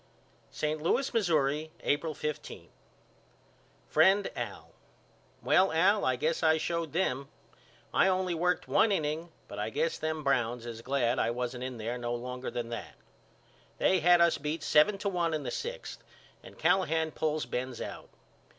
St. Louis, Missouri, April 15. FRIEND AL: Well Al I guess I showed them. I only worked one inning but I guess them Browns is glad I wasn't in there no longer than that. They had us beat seven to one in the sixth and Callahan pulls Benz out.